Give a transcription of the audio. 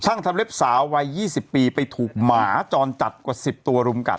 ทำเล็บสาววัย๒๐ปีไปถูกหมาจรจัดกว่า๑๐ตัวรุมกัด